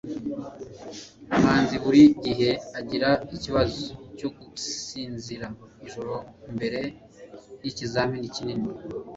manzi buri gihe agira ikibazo cyo gusinzira ijoro mbere yikizamini kinini